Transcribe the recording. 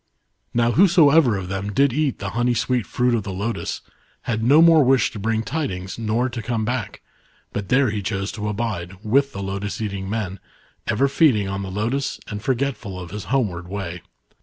" Now whosoever of them did eat the honey sweet fruit of the lotus had no more wish to bring tidings nor to come back, but there he chose to abide* with the lotus eating men, ever feeding on the lotus and forgetful of his homeward way.